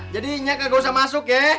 jadi nya gak usah masuk ya